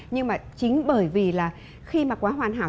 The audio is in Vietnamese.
nhưng mà chính bởi vì là khi mà quá hoàn hảo